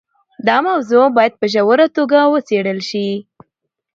دا موضوع باید په ژوره توګه وڅېړل شي.